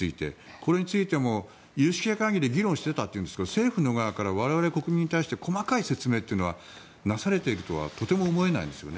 これについても有識者会議で議論していたというんですが政府の側から我々国民に対して細かい説明というのはなされているとはとても思えないんですね。